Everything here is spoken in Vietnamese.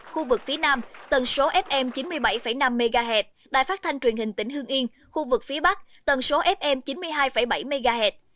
khu vực phía nam tầng số fm chín mươi bảy năm mhz đài phát thanh truyền hình tỉnh hương yên khu vực phía bắc tầng số fm chín mươi hai bảy mhz